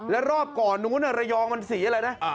แล้วรอบก่อนนู้นระยองมันสีอะไรนะ